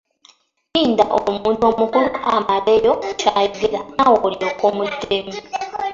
Linda omuntu omukulu amaleyo ky’ayogera naawe olyoke omuddemu.